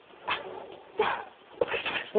じゃあお疲れさまです。